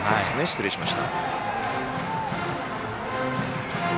失礼しました。